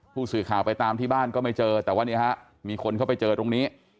ผู้สื่อข่าวไปตามที่บ้านก็ไม่เจอแต่ว่าเนี่ยฮะมีคนเข้าไปเจอตรงนี้